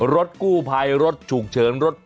รถกู้ภัยรถฉุกเฉินรถ